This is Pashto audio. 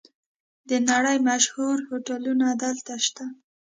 د نړۍ مشهور هوټلونه دلته شته.